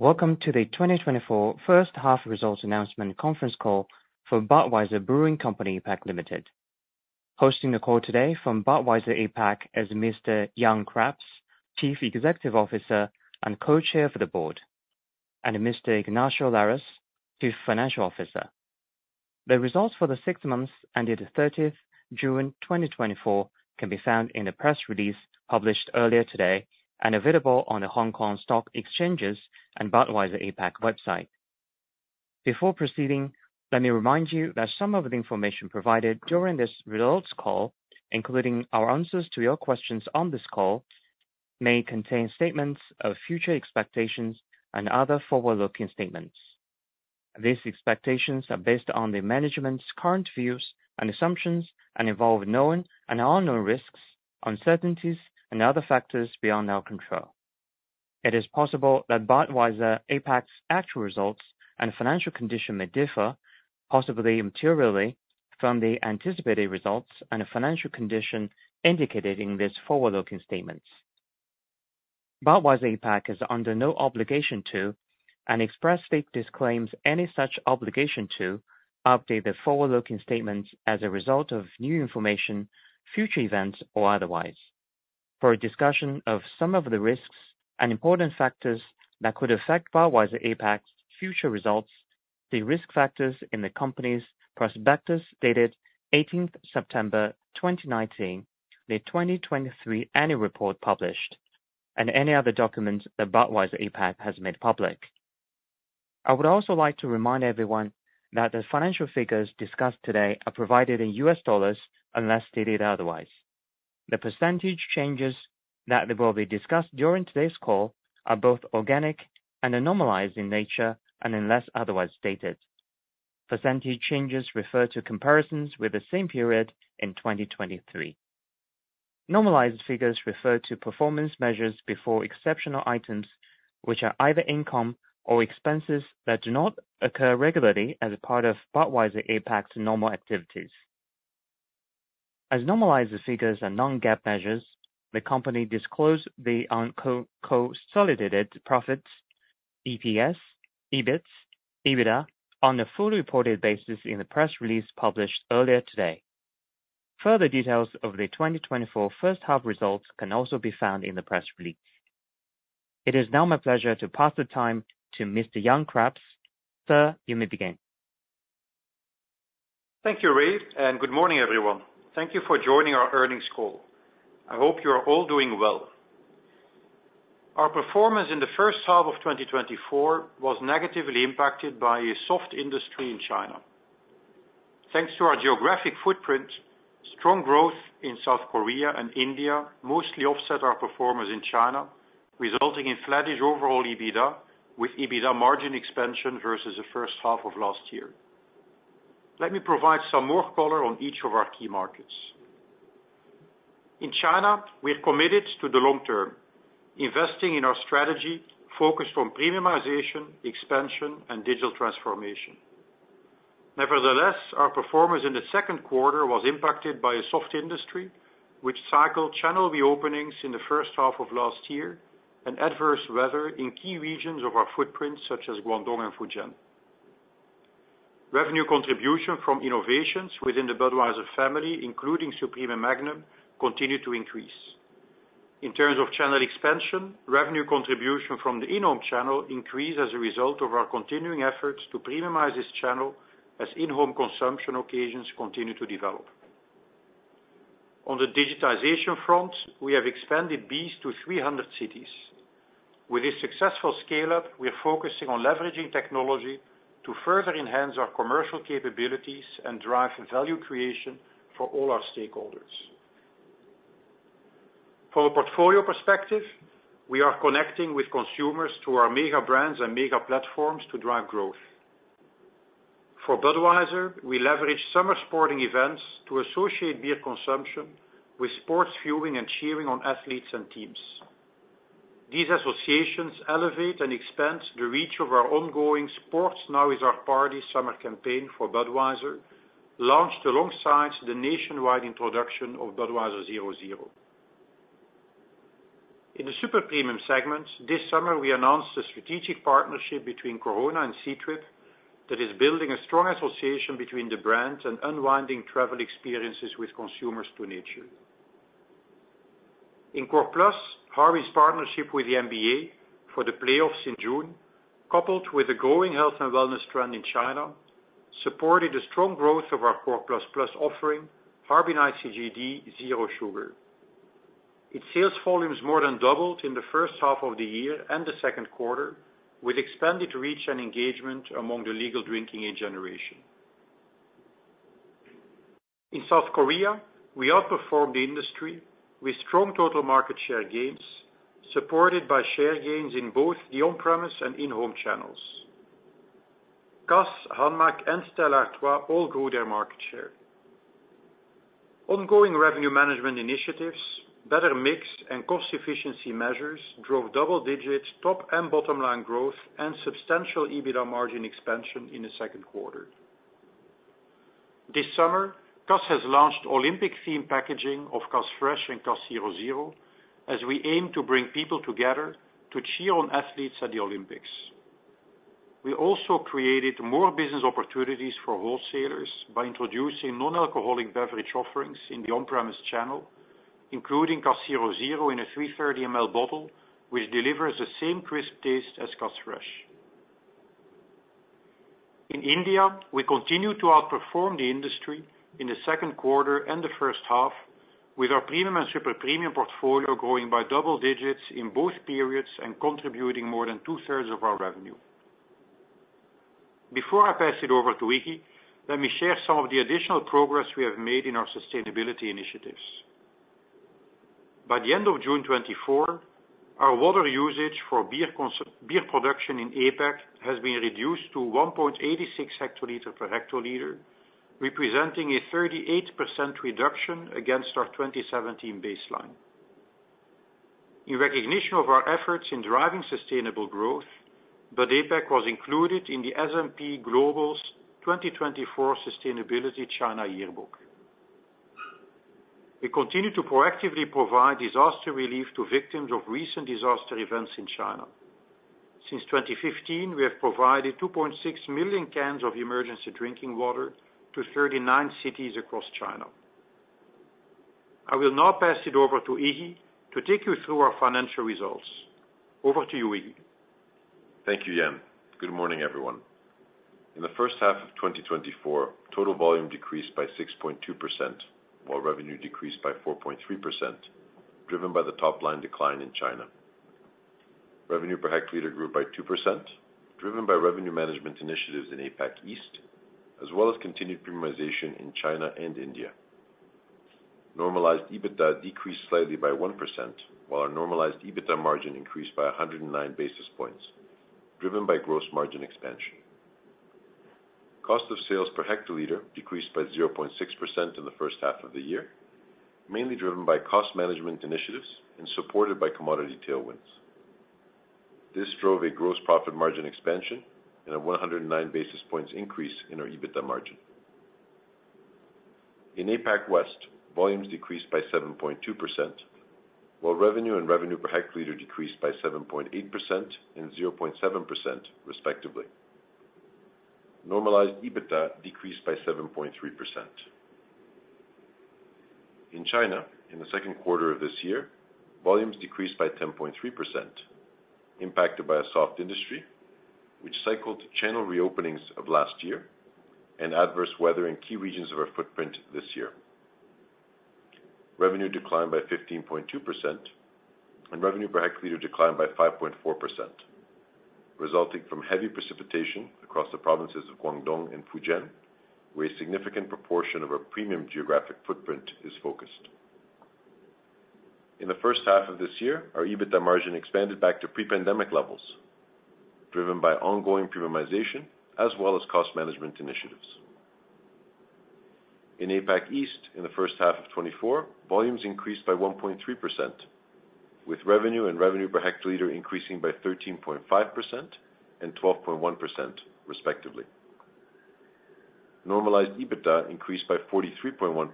Welcome to the 2024 First Half Results Announcement Conference Call for Budweiser Brewing Company APAC Ltd. Hosting the call today from Budweiser APAC is Mr. Jan Craps, Chief Executive Officer and Co-Chair of the Board, and Mr. Ignacio Lares, Chief Financial Officer. The results for the six months ended June 30, 2024 can be found in the press release published earlier today and available on the Hong Kong Stock Exchange's and Budweiser APAC website. Before proceeding, let me remind you that some of the information provided during this results call, including our answers to your questions on this call, may contain statements of future expectations and other forward-looking statements. These expectations are based on the management's current views and assumptions and involve known and unknown risks, uncertainties, and other factors beyond our control. It is possible that Budweiser APAC's actual results and financial condition may differ, possibly materially, from the anticipated results and financial condition indicated in these forward-looking statements. Budweiser APAC is under no obligation to, and expressly disclaims any such obligation to, update the forward-looking statements as a result of new information, future events, or otherwise. For a discussion of some of the risks and important factors that could affect Budweiser APAC's future results, the risk factors in the company's prospectus dated 18th September 2019, the 2023 Annual Report published, and any other documents that Budweiser APAC has made public. I would also like to remind everyone that the financial figures discussed today are provided in US dollars unless stated otherwise. The percentage changes that will be discussed during today's call are both organic and normalized in nature and unless otherwise stated. Percentage changes refer to comparisons with the same period in 2023. Normalized figures refer to performance measures before exceptional items, which are either income or expenses that do not occur regularly as a part of Budweiser APAC's normal activities. As normalized figures are non-GAAP measures, the company disclosed the unconsolidated profits, EPS, EBIT, EBITDA, on a fully reported basis in the press release published earlier today. Further details of the 2024 First Half Results can also be found in the press release. It is now my pleasure to pass the time to Mr. Jan Craps. Sir, you may begin. Thank you, Reid, and good morning, everyone. Thank you for joining our earnings call. I hope you are all doing well. Our performance in the first half of 2024 was negatively impacted by a soft industry in China. Thanks to our geographic footprint, strong growth in South Korea and India mostly offset our performance in China, resulting in flattish overall EBITDA, with EBITDA margin expansion versus the first half of last year. Let me provide some more color on each of our key markets. In China, we are committed to the long term, investing in our strategy focused on premiumization, expansion, and digital transformation. Nevertheless, our performance in the second quarter was impacted by a soft industry, which cycled channel reopenings in the first half of last year and adverse weather in key regions of our footprint, such as Guangdong and Fujian. Revenue contribution from innovations within the Budweiser family, including Supreme and Magnum, continued to increase. In terms of channel expansion, revenue contribution from the in-home channel increased as a result of our continuing efforts to premiumize this channel as in-home consumption occasions continue to develop. On the digitization front, we have expanded BEES to 300 cities. With this successful scale-up, we are focusing on leveraging technology to further enhance our commercial capabilities and drive value creation for all our stakeholders. From a portfolio perspective, we are connecting with consumers through our mega brands and mega platforms to drive growth. For Budweiser, we leverage summer sporting events to associate beer consumption with sports viewing and cheering on athletes and teams. These associations elevate and expand the reach of our ongoing Sports Now Is Our Party summer campaign for Budweiser, launched alongside the nationwide introduction of Budweiser 0.0. In the super premium segment, this summer, we announced a strategic partnership between Corona and Ctrip that is building a strong association between the brand and unwinding travel experiences with consumers to nature. In Core+, Harbin's partnership with the NBA for the playoffs in June, coupled with the growing health and wellness trend in China, supported the strong growth of our Core++ offering, Harbin Icy GD Zero Sugar. Its sales volumes more than doubled in the first half of the year and the second quarter, with expanded reach and engagement among the legal drinking age generation. In South Korea, we outperformed the industry with strong total market share gains, supported by share gains in both the on-premise and in-home channels. Cass, Hanmac, and Stella Artois all grew their market share. Ongoing revenue management initiatives, better mix, and cost efficiency measures drove double-digit top and bottom line growth and substantial EBITDA margin expansion in the second quarter. This summer, Cass has launched Olympic-themed packaging of Cass Fresh and Cass 0.0, as we aim to bring people together to cheer on athletes at the Olympics. We also created more business opportunities for wholesalers by introducing non-alcoholic beverage offerings in the on-premise channel, including Cass 0.0 in a 330 ml bottle, which delivers the same crisp taste as Cass Fresh. In India, we continue to outperform the industry in the second quarter and the first half, with our premium and super premium portfolio growing by double digits in both periods and contributing more than 2/3 of our revenue. Before I pass it over to Iggy, let me share some of the additional progress we have made in our sustainability initiatives. By the end of June 2024, our water usage for beer production in APAC has been reduced to 1.86 hectoliters per hectoliter, representing a 38% reduction against our 2017 baseline. In recognition of our efforts in driving sustainable growth, Bud APAC was included in the S&P Global's 2024 Sustainability China Yearbook. We continue to proactively provide disaster relief to victims of recent disaster events in China. Since 2015, we have provided 2.6 million cans of emergency drinking water to 39 cities across China. I will now pass it over to Iggy to take you through our financial results. Over to you, Iggy. Thank you, Jan. Good morning, everyone. In the first half of 2024, total volume decreased by 6.2%, while revenue decreased by 4.3%, driven by the top line decline in China. Revenue per hectoliter grew by 2%, driven by revenue management initiatives in APAC East, as well as continued premiumization in China and India. Normalized EBITDA decreased slightly by 1%, while our normalized EBITDA margin increased by 109 basis points, driven by gross margin expansion. Cost of sales per hectoliter decreased by 0.6% in the first half of the year, mainly driven by cost management initiatives and supported by commodity tailwinds. This drove a gross profit margin expansion and a 109 basis points increase in our EBITDA margin. In APAC West, volumes decreased by 7.2%, while revenue and revenue per hectoliter decreased by 7.8% and 0.7%, respectively. Normalized EBITDA decreased by 7.3%. In China, in the second quarter of this year, volumes decreased by 10.3%, impacted by a soft industry, which cycled channel reopenings of last year and adverse weather in key regions of our footprint this year. Revenue declined by 15.2%, and revenue per hectoliter declined by 5.4%, resulting from heavy precipitation across the provinces of Guangdong and Fujian, where a significant proportion of our premium geographic footprint is focused. In the first half of this year, our EBITDA margin expanded back to pre-pandemic levels, driven by ongoing premiumization as well as cost management initiatives. In APAC East, in the first half of 2024, volumes increased by 1.3%, with revenue and revenue per hectoliter increasing by 13.5% and 12.1%, respectively. Normalized EBITDA increased by 43.1%,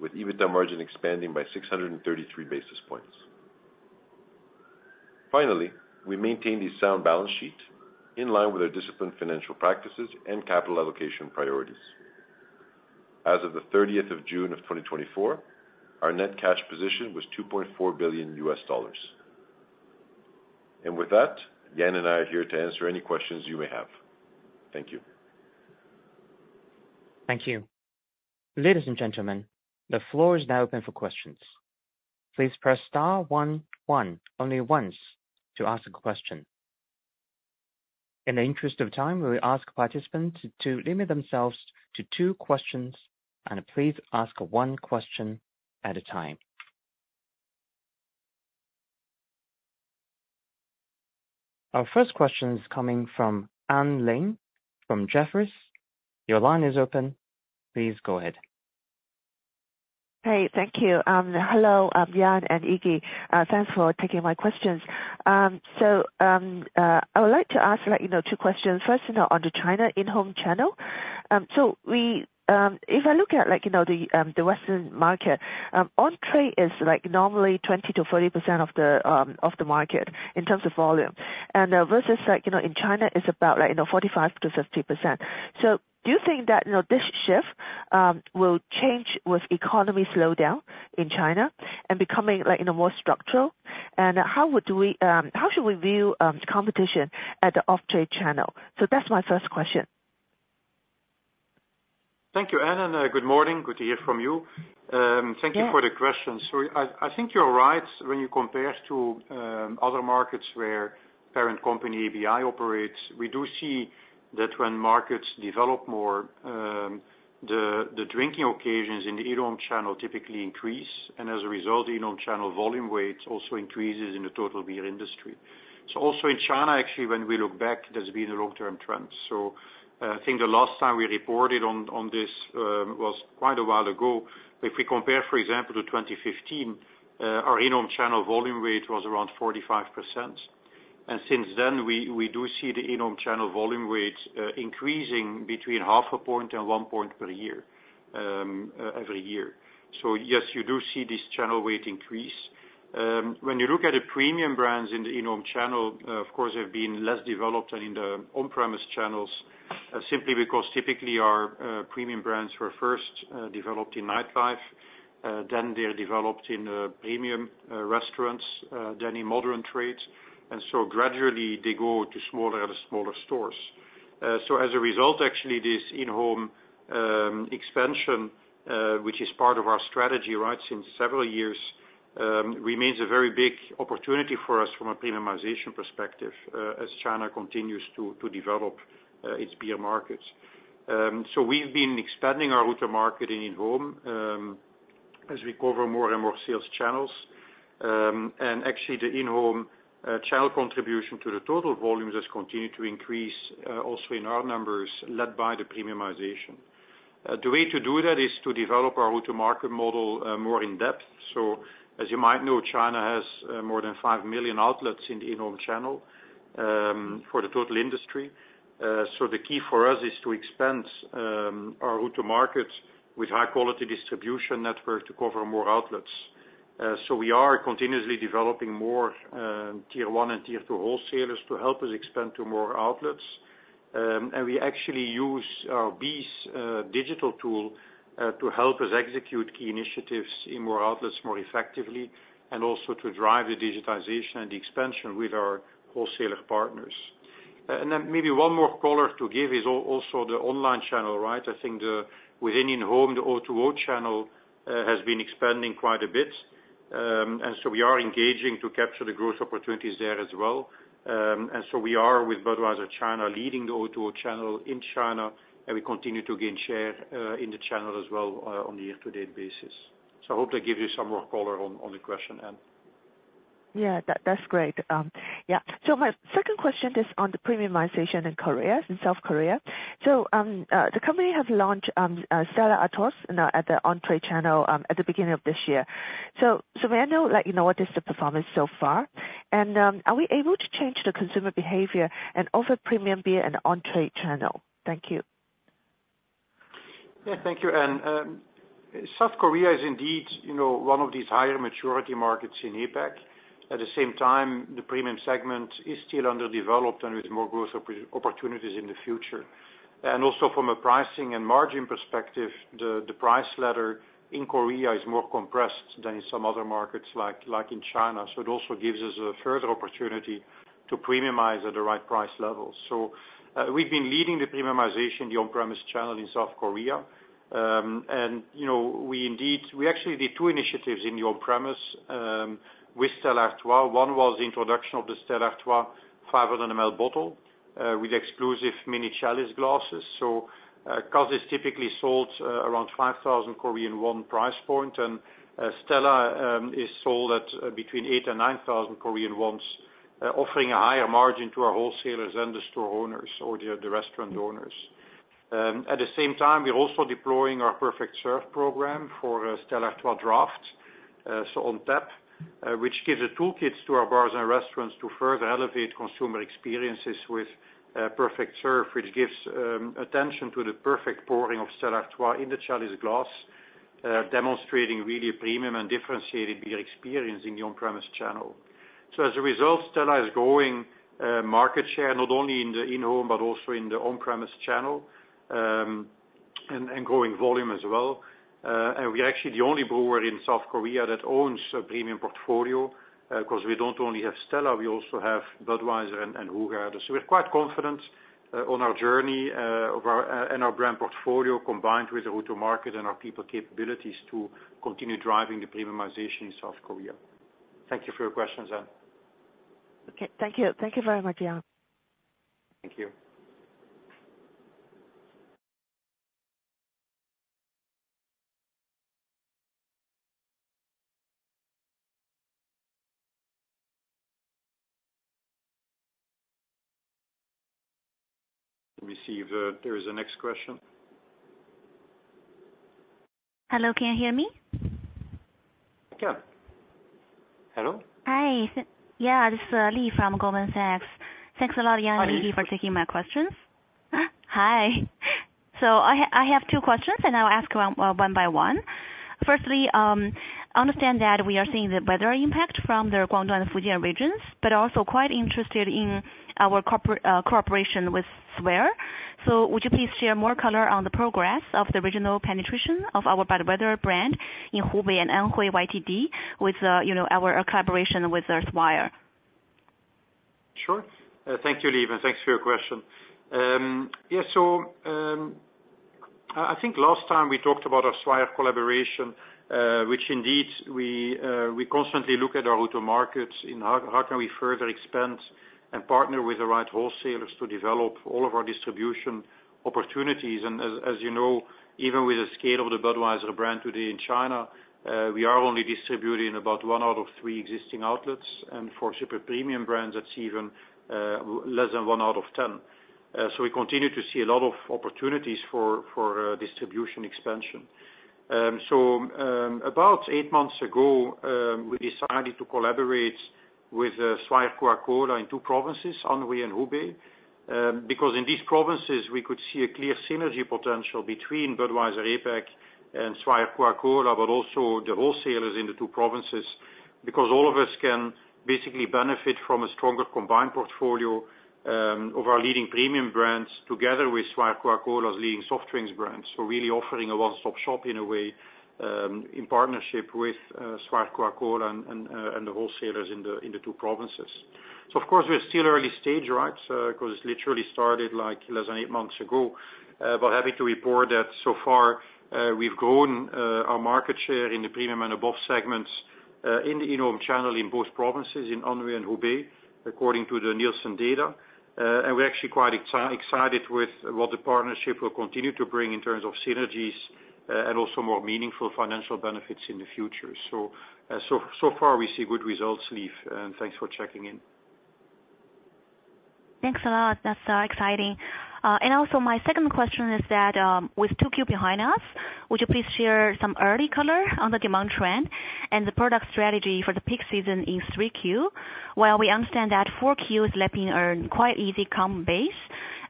with EBITDA margin expanding by 633 basis points. Finally, we maintained a sound balance sheet in line with our disciplined financial practices and capital allocation priorities. As of the 30th of June of 2024, our net cash position was $2.4 billion. With that, Jan and I are here to answer any questions you may have. Thank you. Thank you. Ladies and gentlemen, the floor is now open for questions. Please press star one, one only once to ask a question. In the interest of time, we will ask participants to limit themselves to two questions, and please ask one question at a time. Our first question is coming from Anne Ling from Jefferies. Your line is open. Please go ahead. Hey, thank you. Hello, Jan and Iggy. Thanks for taking my questions. So I would like to ask two questions. First, on the China in-home channel. So if I look at the Western market, on trade is normally 20%-30% of the market in terms of volume, and versus in China is about 45%-50%. So do you think that this shift will change with economy slowdown in China and becoming more structural? And how should we view competition at the off-trade channel? So that's my first question. Thank you, Anne. Good morning. Good to hear from you. Thank you for the question. I think you're right. When you compare to other markets where parent company ABI operates, we do see that when markets develop more, the drinking occasions in the in-home channel typically increase. As a result, the in-home channel volume weight also increases in the total beer industry. Also in China, actually, when we look back, there's been a long-term trend. I think the last time we reported on this was quite a while ago. If we compare, for example, to 2015, our in-home channel volume weight was around 45%. Since then, we do see the in-home channel volume weight increasing between half a point and one point per year, every year. Yes, you do see this channel weight increase. When you look at the premium brands in the in-home channel, of course, they've been less developed than in the on-premise channels, simply because typically our premium brands were first developed in nightlife, then they're developed in premium restaurants, then in modern trade. And so gradually, they go to smaller and smaller stores. So as a result, actually, this in-home expansion, which is part of our strategy since several years, remains a very big opportunity for us from a premiumization perspective as China continues to develop its beer markets. So we've been expanding our route to market in in-home as we cover more and more sales channels. And actually, the in-home channel contribution to the total volumes has continued to increase also in our numbers, led by the premiumization. The way to do that is to develop our route to market model more in depth. So as you might know, China has more than 5 million outlets in the in-home channel for the total industry. So the key for us is to expand our route to market with high-quality distribution network to cover more outlets. So we are continuously developing more tier one and tier two wholesalers to help us expand to more outlets. And we actually use our BEES digital tool to help us execute key initiatives in more outlets more effectively, and also to drive the digitization and the expansion with our wholesaler partners. And then maybe one more color to give is also the online channel. I think within in-home, the O2O channel has been expanding quite a bit. And so we are engaging to capture the growth opportunities there as well. We are with Budweiser China leading the O2O channel in China, and we continue to gain share in the channel as well on a year-to-date basis. I hope that gives you some more color on the question, Anne. Yeah, that's great. Yeah. My second question is on the premiumization in South Korea. The company has launched Stella Artois at the on-trade channel at the beginning of this year. May I know what is the performance so far? And are we able to change the consumer behavior and offer premium beer in the on-trade channel? Thank you. Yeah, thank you, Anne. South Korea is indeed one of these higher maturity markets in APAC. At the same time, the premium segment is still underdeveloped and with more growth opportunities in the future. And also from a pricing and margin perspective, the price ladder in Korea is more compressed than in some other markets like in China. So it also gives us a further opportunity to premiumize at the right price level. So we've been leading the premiumization in the on-premise channel in South Korea. And we actually did two initiatives in the on-premise with Stella Artois. One was the introduction of the Stella Artois 500 ml bottle with exclusive mini chalice glasses. So Cass is typically sold around 5,000 Korean won price point, and Stella Artois is sold at between 8,000 and 9,000 Korean won, offering a higher margin to our wholesalers and the store owners or the restaurant owners. At the same time, we're also deploying our Perfect Serve program for Stella Artois Draft, so on tap, which gives a toolkit to our bars and restaurants to further elevate consumer experiences with Perfect Serve, which gives attention to the perfect pouring of Stella Artois in the chalice glass, demonstrating really premium and differentiated beer experience in the on-premise channel. So as a result, Stella Artois is growing market share not only in the in-home, but also in the on-premise channel and growing volume as well. And we're actually the only brewer in South Korea that owns a premium portfolio because we don't only have Stella Artois, we also have Budweiser and Hoegaarden. We're quite confident on our journey and our brand portfolio combined with the route to market and our people capabilities to continue driving the premiumization in South Korea. Thank you for your questions, Anne. Okay. Thank you. Thank you very much, Jan. Thank you. Let me see if there is a next question. Hello, can you hear me? Yeah. Hello? Hi. Yeah, this is Lee from Goldman Sachs. Thanks a lot, Jan and Iggy, for taking my questions. Hi. So I have two questions, and I'll ask one by one. Firstly, I understand that we are seeing the weather impact from the Guangdong and Fujian regions, but also quite interested in our cooperation with Swire. So would you please share more color on the progress of the regional penetration of our Budweiser brand in Hubei and Anhui YTD with our collaboration with Swire? Sure. Thank you, Lee, and thanks for your question. Yeah, so I think last time we talked about our Swire collaboration, which indeed we constantly look at our route to markets, and how can we further expand and partner with the right wholesalers to develop all of our distribution opportunities. And as you know, even with the scale of the Budweiser brand today in China, we are only distributing about one out of three existing outlets. And for super premium brands, that's even less than one out of ten. So we continue to see a lot of opportunities for distribution expansion. So about eight months ago, we decided to collaborate with Swire Coca-Cola in two provinces, Anhui and Hubei, because in these provinces, we could see a clear synergy potential between Budweiser APAC and Swire Coca-Cola, but also the wholesalers in the two provinces, because all of us can basically benefit from a stronger combined portfolio of our leading premium brands together with Swire Coca-Cola's leading soft drinks brands. So really offering a one-stop shop in a way in partnership with Swire Coca-Cola and the wholesalers in the two provinces. So of course, we're still early stage, because it literally started less than eight months ago. But having to report that so far, we've grown our market share in the premium and above segments in the in-home channel in both provinces, in Anhui and Hubei, according to the Nielsen data. We're actually quite excited with what the partnership will continue to bring in terms of synergies and also more meaningful financial benefits in the future. So far, we see good results, Lee. Thanks for checking in. Thanks a lot. That's exciting. Also, my second question is that with 2Q behind us, would you please share some early color on the demand trend and the product strategy for the peak season in 3Q? Well, we understand that 4Q is lapping a quite easy common base.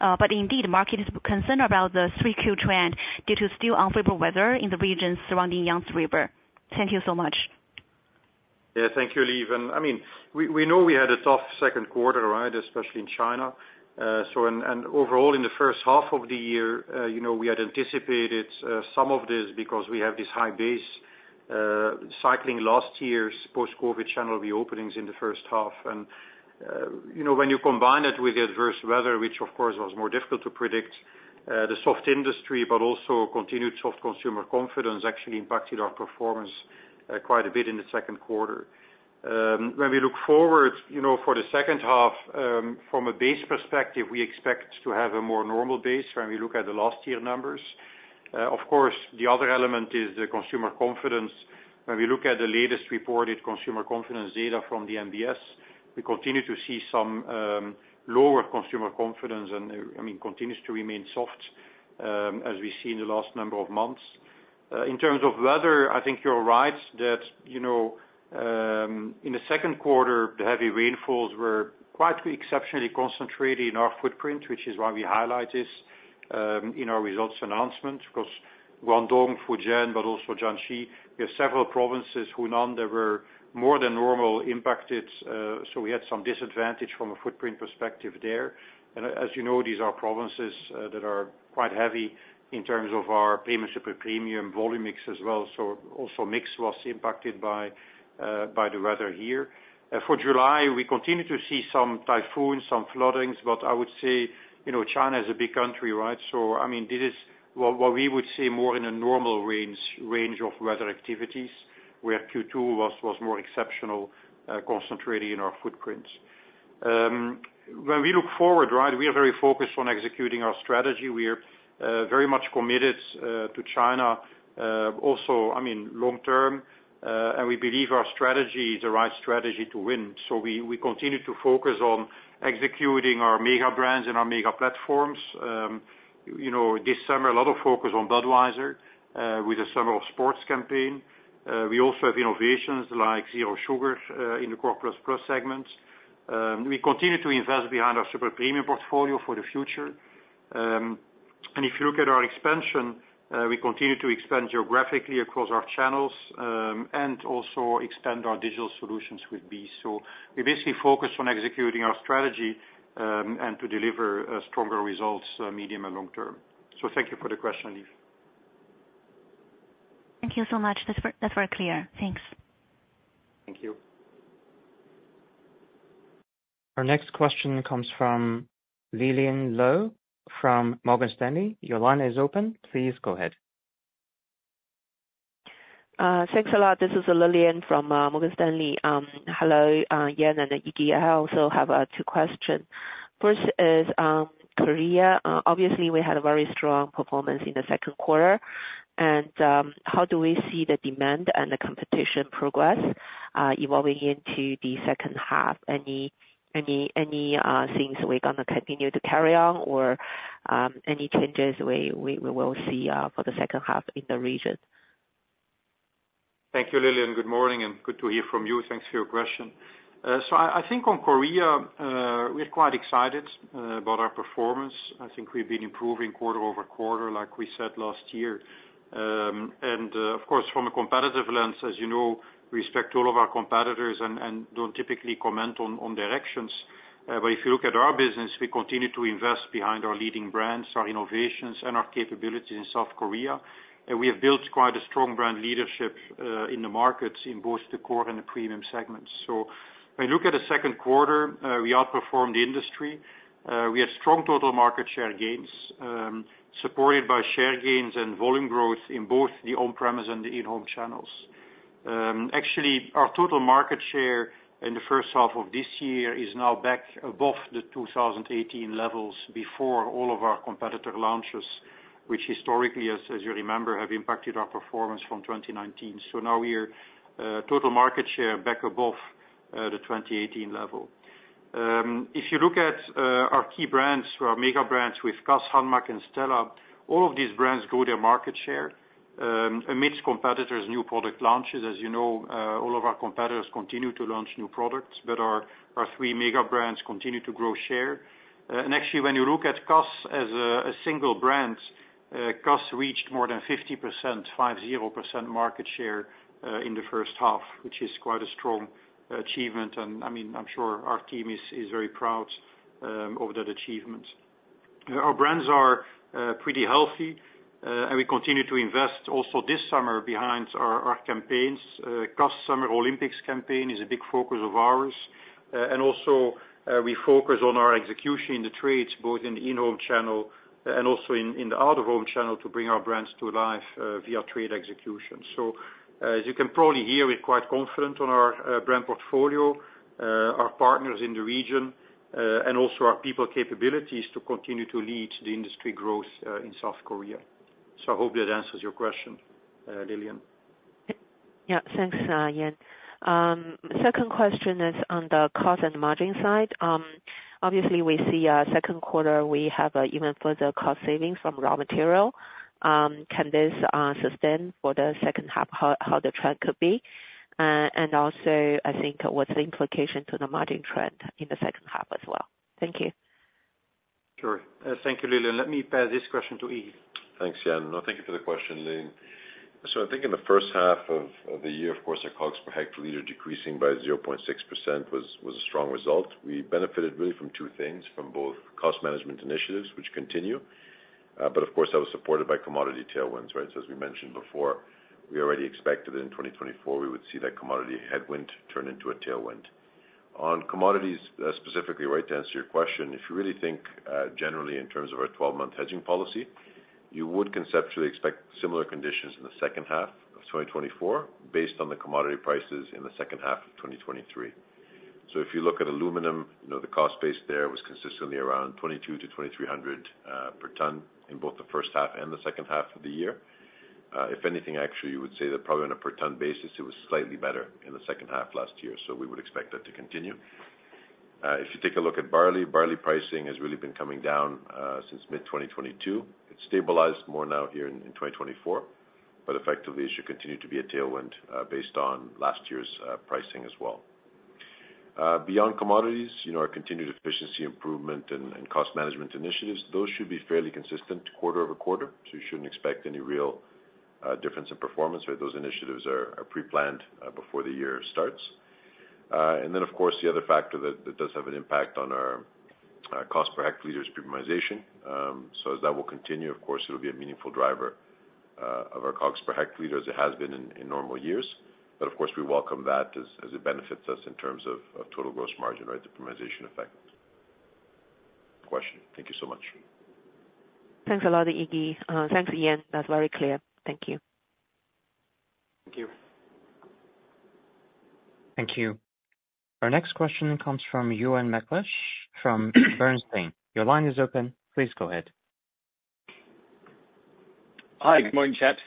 But indeed, the market is concerned about the 3Q trend due to still unfavorable weather in the regions surrounding Yangtze River. Thank you so much. Yeah, thank you, Lee. I mean, we know we had a tough second quarter, especially in China. Overall, in the first half of the year, we had anticipated some of this because we have this high base cycling last year's post-COVID channel reopenings in the first half. When you combine it with the adverse weather, which of course was more difficult to predict, the soft industry, but also continued soft consumer confidence actually impacted our performance quite a bit in the second quarter. When we look forward for the second half, from a base perspective, we expect to have a more normal base when we look at the last year numbers. Of course, the other element is the consumer confidence. When we look at the latest reported consumer confidence data from the NBS, we continue to see some lower consumer confidence and continues to remain soft as we see in the last number of months. In terms of weather, I think you're right that in the second quarter, the heavy rainfalls were quite exceptionally concentrated in our footprint, which is why we highlight this in our results announcement, because Guangdong, Fujian, but also Jiangxi, we have several provinces, Hunan, that were more than normal impacted. So we had some disadvantage from a footprint perspective there. And as you know, these are provinces that are quite heavy in terms of our premium super-premium volume mix as well. So also mix was impacted by the weather here. For July, we continue to see some typhoons, some floodings, but I would say China is a big country. So I mean, this is what we would see more in a normal range of weather activities where Q2 was more exceptionally concentrated in our footprint. When we look forward, we're very focused on executing our strategy. We're very much committed to China also, I mean, long term. And we believe our strategy is the right strategy to win. So we continue to focus on executing our mega brands and our mega platforms. This summer, a lot of focus on Budweiser with a summer of sports campaign. We also have innovations like zero sugar in the Core+ segments. We continue to invest behind our super premium portfolio for the future. And if you look at our expansion, we continue to expand geographically across our channels and also expand our digital solutions with BEES. We basically focus on executing our strategy and to deliver stronger results medium and long term. Thank you for the question, Lee. Thank you so much. That's very clear. Thanks. Thank you. Our next question comes from Lillian Lou from Morgan Stanley. Your line is open. Please go ahead. Thanks a lot. This is Lillian from Morgan Stanley. Hello, Jan and Iggy. I also have two questions. First is Korea. Obviously, we had a very strong performance in the second quarter. How do we see the demand and the competition progress evolving into the second half? Any things we're going to continue to carry on or any changes we will see for the second half in the region? Thank you, Lillian, good morning and good to hear from you. Thanks for your question. So I think on Korea, we're quite excited about our performance. I think we've been improving quarter-over-quarter, like we said last year. And of course, from a competitive lens, as you know, we respect all of our competitors and don't typically comment on their actions. But if you look at our business, we continue to invest behind our leading brands, our innovations, and our capabilities in South Korea. And we have built quite a strong brand leadership in the markets in both the core and the premium segments. So when you look at the second quarter, we outperformed the industry. We had strong total market share gains supported by share gains and volume growth in both the on-premise and the in-home channels. Actually, our total market share in the first half of this year is now back above the 2018 levels before all of our competitor launches, which historically, as you remember, have impacted our performance from 2019. So now we're total market share back above the 2018 level. If you look at our key brands, our mega brands with Cass, Hanmac, and Stella, all of these brands grew their market share amidst competitors' new product launches. As you know, all of our competitors continue to launch new products, but our three mega brands continue to grow share. And actually, when you look at Cass as a single brand, Cass reached more than 50%, 50% market share in the first half, which is quite a strong achievement. And I mean, I'm sure our team is very proud of that achievement. Our brands are pretty healthy, and we continue to invest also this summer behind our campaigns. Cass Summer Olympics campaign is a big focus of ours. Also, we focus on our execution in the trades, both in the in-home channel and also in the out-of-home channel to bring our brands to life via trade execution. So as you can probably hear, we're quite confident on our brand portfolio, our partners in the region, and also our people capabilities to continue to lead the industry growth in South Korea. So I hope that answers your question, Lillian. Yeah, thanks, Jan. Second question is on the cost and margin side. Obviously, we see second quarter, we have even further cost savings from raw material. Can this sustain for the second half, how the trend could be? And also, I think what's the implication to the margin trend in the second half as well? Thank you. Sure. Thank you, Lillian. Let me pass this question to Iggy. Thanks, Jan. No, thank you for the question, Lee. So I think in the first half of the year, of course, our COGS per hectoliter decreasing by 0.6% was a strong result. We benefited really from two things, from both cost management initiatives, which continue. But of course, that was supported by commodity tailwinds. So as we mentioned before, we already expected in 2024, we would see that commodity headwind turn into a tailwind. On commodities specifically, to answer your question, if you really think generally in terms of our 12-month hedging policy, you would conceptually expect similar conditions in the second half of 2024 based on the commodity prices in the second half of 2023. So if you look at aluminum, the cost base there was consistently around $2,200-$2,300 per ton in both the first half and the second half of the year. If anything, actually, you would say that probably on a per ton basis, it was slightly better in the second half last year. So we would expect that to continue. If you take a look at barley, barley pricing has really been coming down since mid-2022. It's stabilized more now here in 2024, but effectively, it should continue to be a tailwind based on last year's pricing as well. Beyond commodities, our continued efficiency improvement and cost management initiatives, those should be fairly consistent quarter-over-quarter. So you shouldn't expect any real difference in performance where those initiatives are pre-planned before the year starts. And then, of course, the other factor that does have an impact on our cost per hectoliter is premiumization. So as that will continue, of course, it'll be a meaningful driver of our COGS per hectoliter as it has been in normal years. But of course, we welcome that as it benefits us in terms of total gross margin depreciation effect. Question. Thank you so much. Thanks a lot, Iggy. Thanks, Yann. That's very clear. Thank you. Thank you. Thank you. Our next question comes from Euan McLeish from Bernstein. Your line is open. Please go ahead. Hi, good morning, chaps.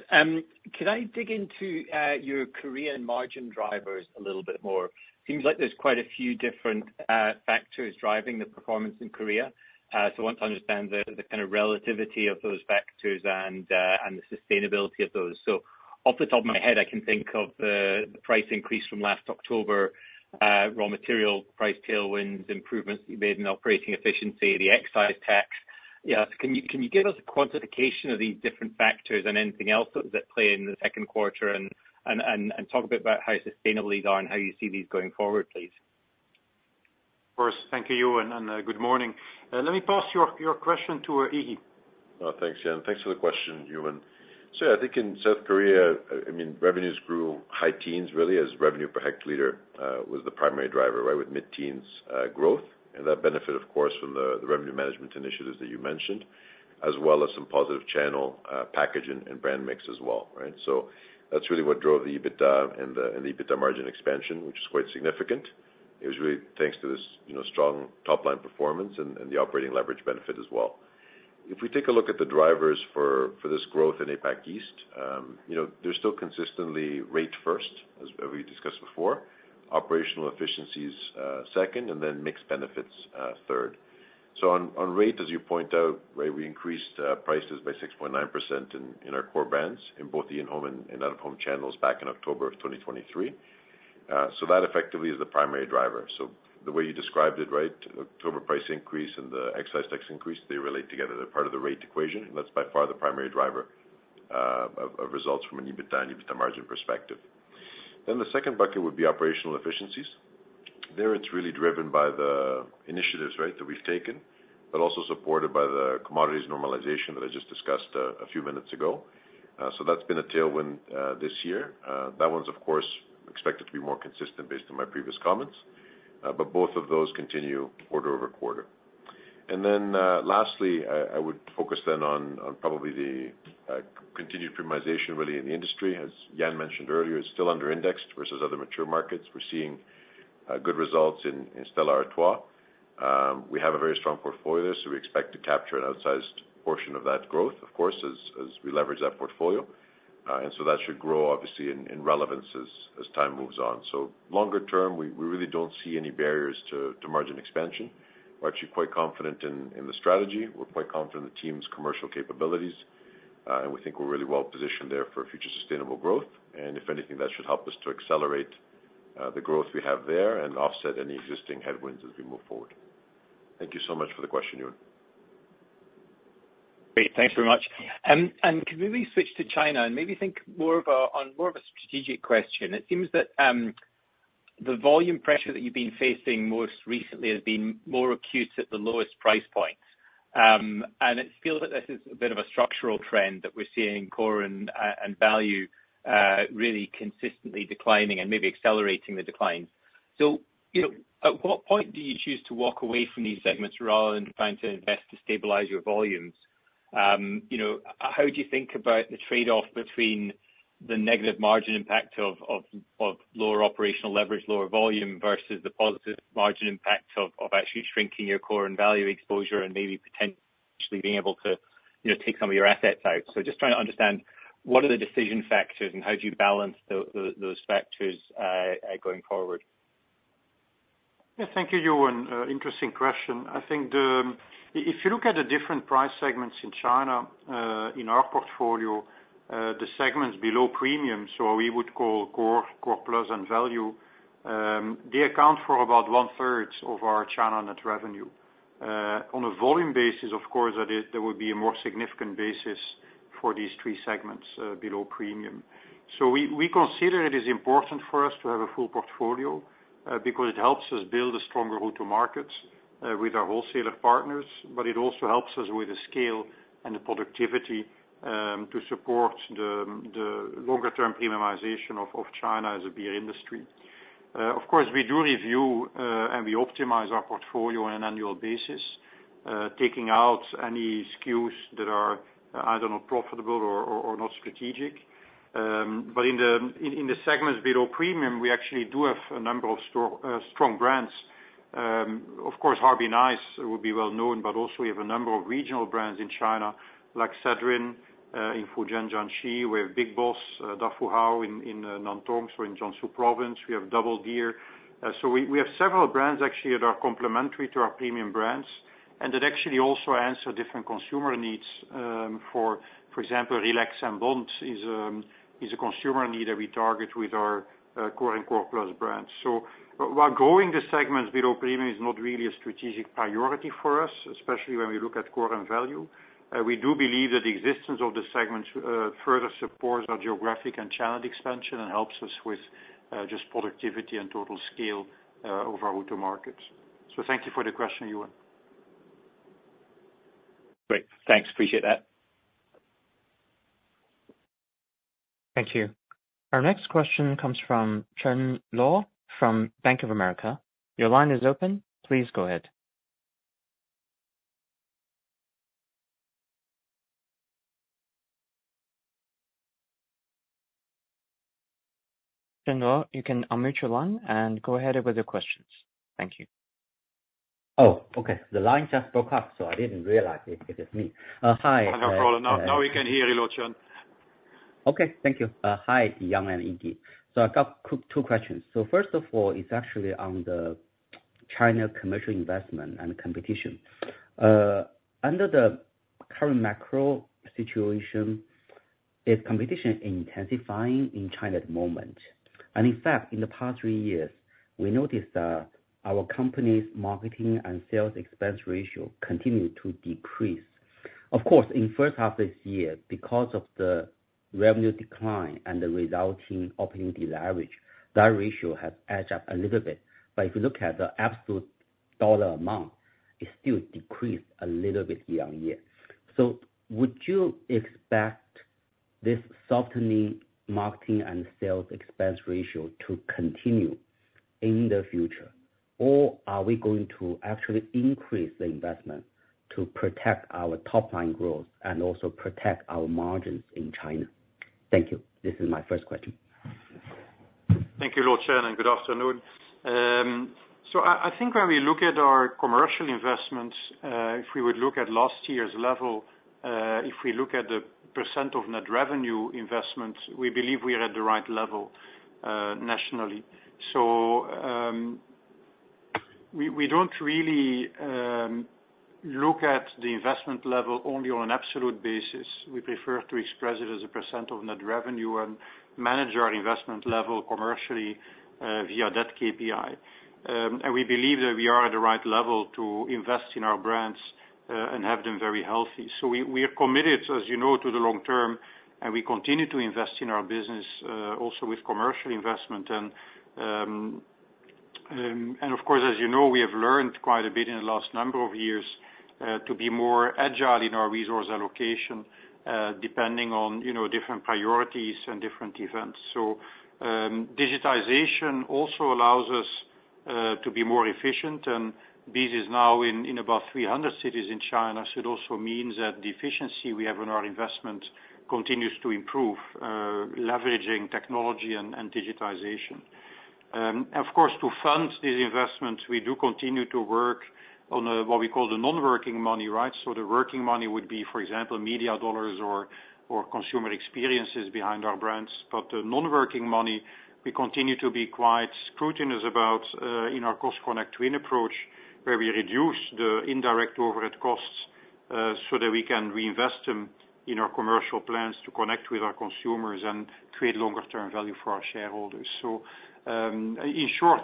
Could I dig into your gross and margin drivers a little bit more? It seems like there's quite a few different factors driving the performance in Korea. So I want to understand the kind of relativity of those factors and the sustainability of those. So off the top of my head, I can think of the price increase from last October, raw material price tailwinds, improvements that you made in operating efficiency, the excise tax. Can you give us a quantification of these different factors and anything else that played in the second quarter? And talk a bit about how sustainable these are and how you see these going forward, please. Of course. Thank you, Euan. Good morning. Let me pass your question to Iggy. Thanks, Jan. Thanks for the question, Euan. So yeah, I think in South Korea, revenues grew high teens, really, as revenue per hectoliter was the primary driver with mid-teens growth. And that benefited, of course, from the revenue management initiatives that you mentioned, as well as some positive channel, package and brand mix as well. So that's really what drove the EBITDA and the EBITDA margin expansion, which is quite significant. It was really thanks to this strong top-line performance and the operating leverage benefit as well. If we take a look at the drivers for this growth in APAC East, they're still consistently rate first, as we discussed before, operational efficiencies second, and then mix benefits third. So on rate, as you point out, we increased prices by 6.9% in our core brands in both the in-home and out-of-home channels back in October of 2023. So that effectively is the primary driver. So the way you described it, October price increase and the excise tax increase, they relate together. They're part of the rate equation. And that's by far the primary driver of results from an EBITDA and EBITDA margin perspective. Then the second bucket would be operational efficiencies. There, it's really driven by the initiatives that we've taken, but also supported by the commodities normalization that I just discussed a few minutes ago. So that's been a tailwind this year. That one's, of course, expected to be more consistent based on my previous comments. But both of those continue quarter-over-quarter. And then lastly, I would focus then on probably the continued premiumization really in the industry. As Jan mentioned earlier, it's still under-indexed versus other mature markets. We're seeing good results in Stella Artois. We have a very strong portfolio there, so we expect to capture an outsized portion of that growth, of course, as we leverage that portfolio. And so that should grow, obviously, in relevance as time moves on. So longer term, we really don't see any barriers to margin expansion. We're actually quite confident in the strategy. We're quite confident in the team's commercial capabilities. And we think we're really well positioned there for future sustainable growth. And if anything, that should help us to accelerate the growth we have there and offset any existing headwinds as we move forward. Thank you so much for the question, Euan. Great. Thanks very much. And can we maybe switch to China and maybe think more of a strategic question? It seems that the volume pressure that you've been facing most recently has been more acute at the lowest price points. And it feels like this is a bit of a structural trend that we're seeing core and value really consistently declining and maybe accelerating the declines. So at what point do you choose to walk away from these segments rather than trying to invest to stabilize your volumes? How do you think about the trade-off between the negative margin impact of lower operational leverage, lower volume versus the positive margin impact of actually shrinking your core and value exposure and maybe potentially being able to take some of your assets out? So just trying to understand what are the decision factors and how do you balance those factors going forward? Yeah, thank you, Euan. Interesting question. I think if you look at the different price segments in China, in our portfolio, the segments below premium, so we would call core, Core+, and value, they account for about 1/3 of our China net revenue. On a volume basis, of course, there would be a more significant basis for these three segments below premium. So we consider it is important for us to have a full portfolio because it helps us build a stronger route to market with our wholesaler partners, but it also helps us with the scale and the productivity to support the longer-term premiumization of China as a beer industry. Of course, we do review and we optimize our portfolio on an annual basis, taking out any SKUs that are either not profitable or not strategic. But in the segments below premium, we actually do have a number of strong brands. Of course, Harbin Ice would be well known, but also we have a number of regional brands in China, like Sedrin in Fujian, Jiangxi. We have Big Boss Da Fu Hao in Nantong, so in Jiangsu Province. We have Double Deer. So we have several brands actually that are complementary to our premium brands. And that actually also answer different consumer needs for, for example, Relax and Bonds is a consumer need that we target with our core and Core+ brands. So while growing the segments below premium is not really a strategic priority for us, especially when we look at core and value, we do believe that the existence of the segments further supports our geographic and channel expansion and helps us with just productivity and total scale of our route to market. Thank you for the question, Euan. Great. Thanks. Appreciate that. Thank you. Our next question comes from Chen Luo from Bank of America. Your line is open. Please go ahead. Chen Luo, you can unmute your line and go ahead with your questions. Thank you. Oh, okay. The line just broke up, so I didn't realize it was me. Hi. No problem. Now we can hear you a little, Chen. Okay. Thank you. Hi, Jan and Iggy. So I've got two questions. So first of all, it's actually on the China commercial investment and competition. Under the current macro situation, is competition intensifying in China at the moment? And in fact, in the past three years, we noticed our company's marketing and sales expense ratio continued to decrease. Of course, in the first half of this year, because of the revenue decline and the resulting operating deleverage, that ratio has edged up a little bit. But if you look at the absolute dollar amount, it still decreased a little bit year-on-year. So would you expect this softening marketing and sales expense ratio to continue in the future? Or are we going to actually increase the investment to protect our top-line growth and also protect our margins in China? Thank you. This is my first question. Thank you, Chen Luo, and good afternoon. So I think when we look at our commercial investments, if we would look at last year's level, if we look at the percent of net revenue investment, we believe we are at the right level nationally. So we don't really look at the investment level only on an absolute basis. We prefer to express it as a percent of net revenue and manage our investment level commercially via that KPI. And we believe that we are at the right level to invest in our brands and have them very healthy. So we are committed, as you know, to the long term, and we continue to invest in our business also with commercial investment. Of course, as you know, we have learned quite a bit in the last number of years to be more agile in our resource allocation depending on different priorities and different events. Digitization also allows us to be more efficient. This is now in about 300 cities in China. It also means that the efficiency we have in our investment continues to improve, leveraging technology and digitization. Of course, to fund these investments, we do continue to work on what we call the non-working money. The working money would be, for example, media dollars or consumer experiences behind our brands. But the non-working money, we continue to be quite scrupulous about in our Cost Connect Win approach, where we reduce the indirect overhead costs so that we can reinvest them in our commercial plans to connect with our consumers and create longer-term value for our shareholders. So in short,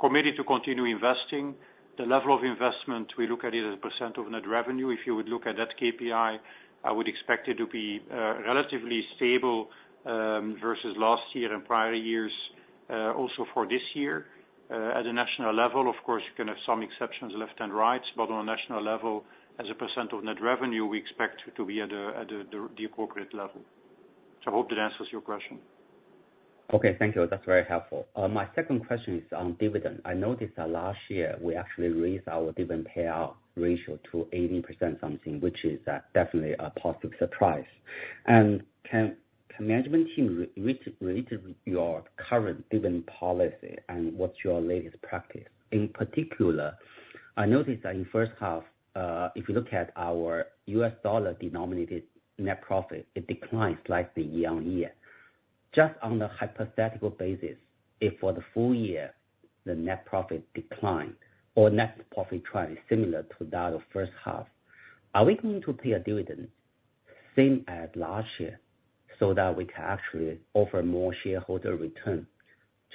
committed to continue investing. The level of investment, we look at it as a % of net revenue. If you would look at that KPI, I would expect it to be relatively stable versus last year and prior years, also for this year. At the national level, of course, you can have some exceptions left and right, but on a national level, as a % of net revenue, we expect to be at the appropriate level. So I hope that answers your question. Okay. Thank you. That's very helpful. My second question is on dividend. I noticed that last year, we actually raised our dividend payout ratio to 18% something, which is definitely a positive surprise. Can the management team reiterate your current dividend policy and what's your latest practice? In particular, I noticed that in the first half, if you look at our US dollar denominated net profit, it declined slightly year-on-year. Just on a hypothetical basis, if for the full year, the net profit declined or net profit trend is similar to that of the first half, are we going to pay a dividend same as last year so that we can actually offer more shareholder return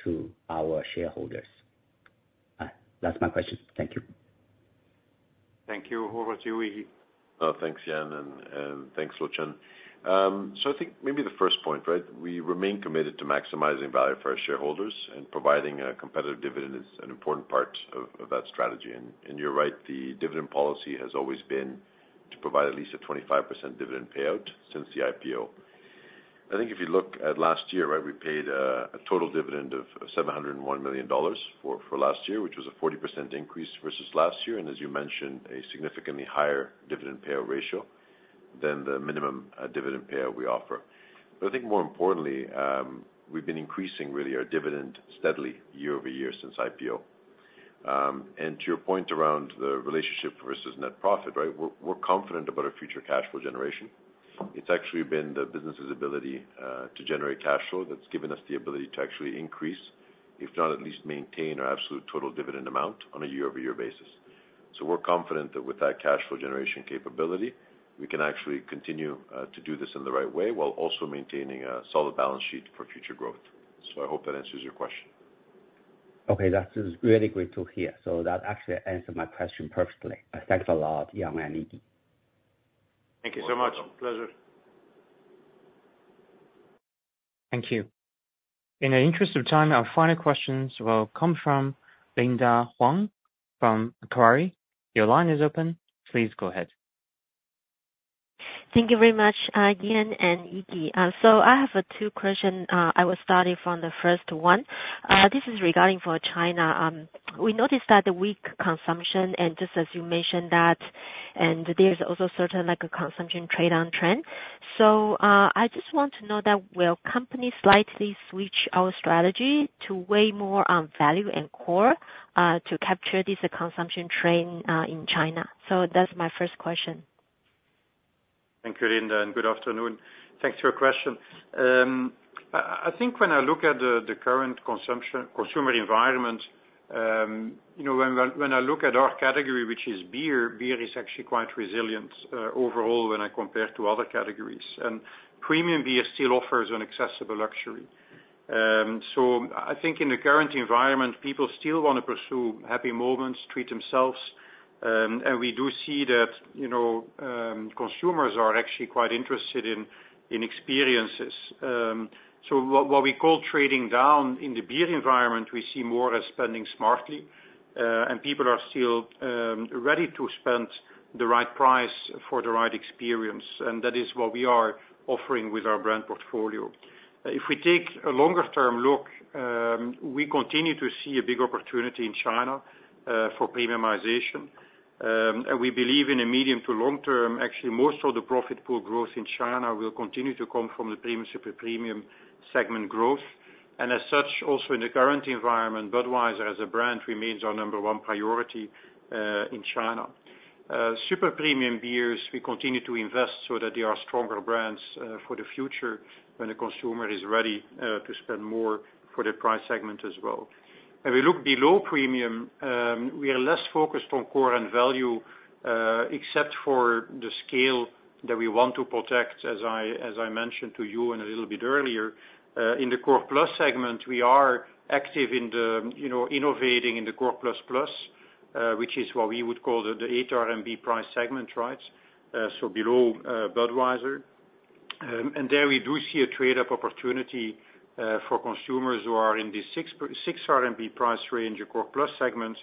to our shareholders? That's my question. Thank you. Thank you. Over to you, Iggy. Thanks, Jan. And thanks, Chen. So I think maybe the first point, we remain committed to maximizing value for our shareholders, and providing a competitive dividend is an important part of that strategy. And you're right, the dividend policy has always been to provide at least a 25% dividend payout since the IPO. I think if you look at last year, we paid a total dividend of $701 million for last year, which was a 40% increase versus last year. And as you mentioned, a significantly higher dividend payout ratio than the minimum dividend payout we offer. But I think more importantly, we've been increasing really our dividend steadily year-over-year since IPO. And to your point around the relationship versus net profit, we're confident about our future cash flow generation. It's actually been the business's ability to generate cash flow that's given us the ability to actually increase, if not at least maintain our absolute total dividend amount on a year-over-year basis. So we're confident that with that cash flow generation capability, we can actually continue to do this in the right way while also maintaining a solid balance sheet for future growth. So I hope that answers your question. Okay. That is really good to hear. So that actually answered my question perfectly. Thanks a lot, Jan and Iggy. Thank you so much. No problem. Pleasure. Thank you. In the interest of time, our final questions will come from Linda Huang from Macquarie. Your line is open. Please go ahead. Thank you very much, Jan and Iggy. I have two questions. I will start from the first one. This is regarding for China. We noticed that the weak consumption and just as you mentioned that, and there's also certain consumption trade-down trend. So I just want to know that will the company slightly switch your strategy to weigh more on value and core to capture this consumption trend in China? So that's my first question. Thank you, Linda. Good afternoon. Thanks for your question. I think when I look at the current consumer environment, when I look at our category, which is beer, beer is actually quite resilient overall when I compare to other categories. Premium beer still offers an accessible luxury. So I think in the current environment, people still want to pursue happy moments, treat themselves. We do see that consumers are actually quite interested in experiences. So what we call trading down in the beer environment, we see more as spending smartly. People are still ready to spend the right price for the right experience. That is what we are offering with our brand portfolio. If we take a longer-term look, we continue to see a big opportunity in China for premiumization. We believe in a medium- to long-term, actually most of the profit pool growth in China will continue to come from the premium super-premium segment growth. And as such, also in the current environment, Budweiser as a brand remains our number one priority in China. Super-premium beers, we continue to invest so that they are stronger brands for the future when the consumer is ready to spend more for the price segment as well. We look below premium; we are less focused on core and value, except for the scale that we want to protect, as I mentioned to you a little bit earlier. In the Core+ segment, we are active in innovating in the Core++, which is what we would call the CNY 8 price segment, so below Budweiser. There we do see a trade-up opportunity for consumers who are in the 6 RMB price range or Core+ segment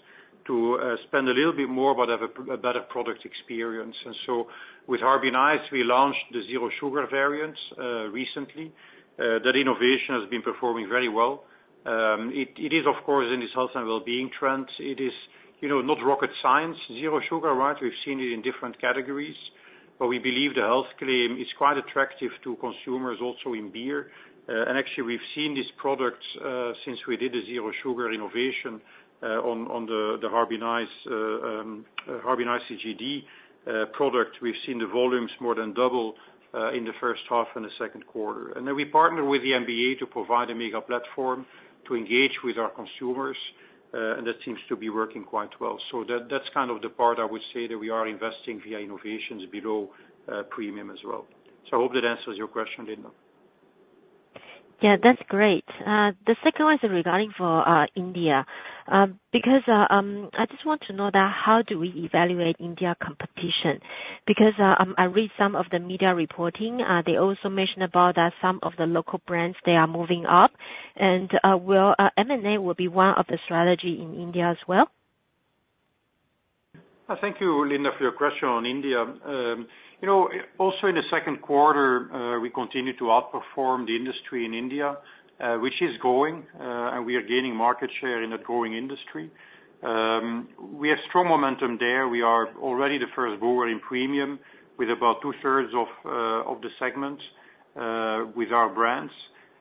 to spend a little bit more but have a better product experience. So with Harbin Ice, we launched the zero sugar variants recently. That innovation has been performing very well. It is, of course, in this health and well-being trend. It is not rocket science, zero sugar. We've seen it in different categories. But we believe the health claim is quite attractive to consumers also in beer. And actually, we've seen this product since we did the zero sugar innovation on the Harbin Icy GD product. We've seen the volumes more than double in the first half and the second quarter. Then we partner with the NBA to provide a mega platform to engage with our consumers. And that seems to be working quite well. So that's kind of the part I would say that we are investing via innovations below premium as well. So I hope that answers your question, Linda. Yeah, that's great. The second one is regarding for India. Because I just want to know that how do we evaluate India competition? Because I read some of the media reporting, they also mentioned about that some of the local brands, they are moving up. And will M&A be one of the strategies in India as well? Thank you, Linda, for your question on India. Also in the second quarter, we continue to outperform the industry in India, which is growing. And we are gaining market share in that growing industry. We have strong momentum there. We are already the first bull in premium with about 2/3 of the segment with our brands.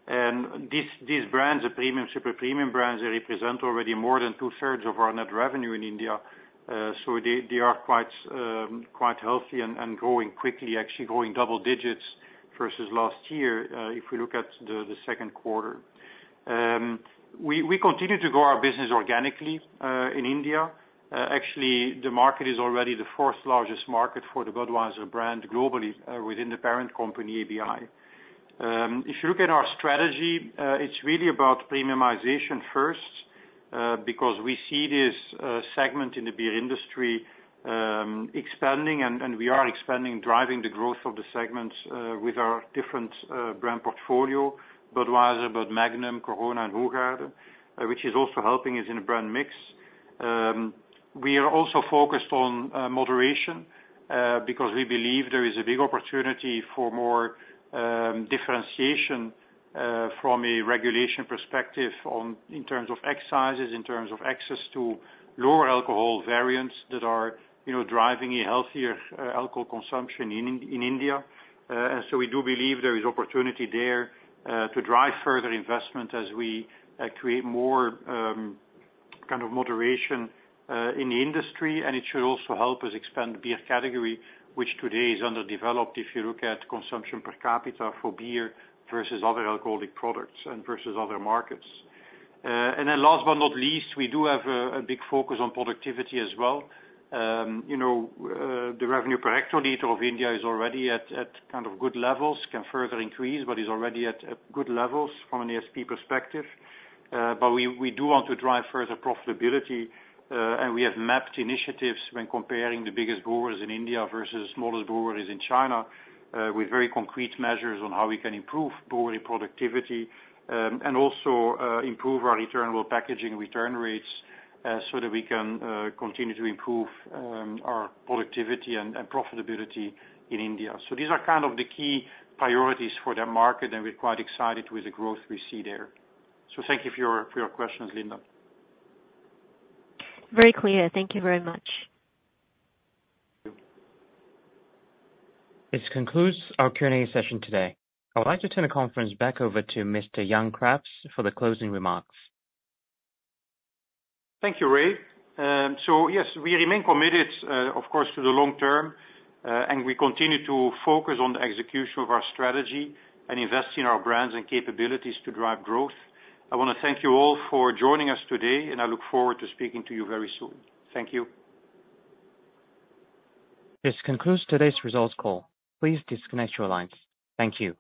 And these brands, the premium super premium brands, they represent already more than 2/3 of our net revenue in India. So they are quite healthy and growing quickly, actually growing double digits versus last year if we look at the second quarter. We continue to grow our business organically in India. Actually, the market is already the fourth largest market for the Budweiser brand globally within the parent company ABI. If you look at our strategy, it's really about premiumization first because we see this segment in the beer industry expanding, and we are expanding, driving the growth of the segments with our different brand portfolio: Budweiser, Bud Magnum, Corona, and Hoegaarden, which is also helping us in a brand mix. We are also focused on moderation because we believe there is a big opportunity for more differentiation from a regulation perspective in terms of excises, in terms of access to lower alcohol variants that are driving a healthier alcohol consumption in India. It should also help us expand the beer category, which today is underdeveloped if you look at consumption per capita for beer versus other alcoholic products and versus other markets. And then last but not least, we do have a big focus on productivity as well. The revenue per hectoliter of India is already at kind of good levels, can further increase, but is already at good levels from an ASP perspective. But we do want to drive further profitability. And we have mapped initiatives when comparing the biggest brewers in India versus the smallest brewery in China with very concrete measures on how we can improve brewery productivity and also improve our returnable packaging return rates so that we can continue to improve our productivity and profitability in India. So these are kind of the key priorities for that market. And we're quite excited with the growth we see there. So thank you for your questions, Linda. Very clear. Thank you very much. This concludes our Q&A session today. I would like to turn the conference back over to Mr. Jan Craps for the closing remarks. Thank you, Ray. Yes, we remain committed, of course, to the long term. We continue to focus on the execution of our strategy and invest in our brands and capabilities to drive growth. I want to thank you all for joining us today. I look forward to speaking to you very soon. Thank you. This concludes today's results call. Please disconnect your lines. Thank you.